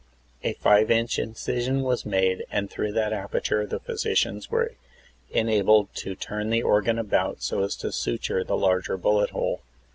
A five inch incision was made and through that aperture the physicians were enabled to turn the organ about so as to suture the largeir bullet hole.